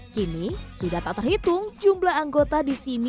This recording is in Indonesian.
kini sudah tak terhitung jumlah anggota di sini